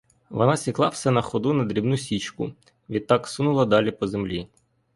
Вона сікла все на ходу на дрібну січку, відтак сунула далі по землі.